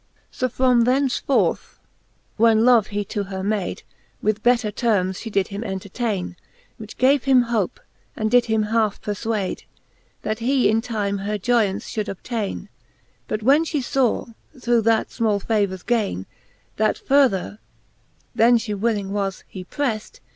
\ VII. So from thenceforth, when love he to her made, With better tearmes fhe did him entertaine. Which gave him hope, and did him halfo perfwade, That he in time her joyaunce fbould obtaine. But when fhe faw, tlirough that fmall favours gaine, That further, then fhe wilHng was, he prefl.